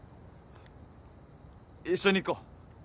一緒に行こう。